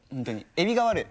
エビが悪い。